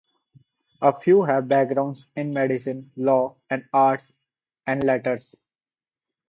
A few have backgrounds in medicine, law, or arts and letters.